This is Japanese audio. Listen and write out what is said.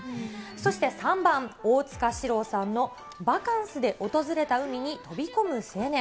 そして３番、大塚志郎さんのバカンスで訪れた海に飛び込む青年。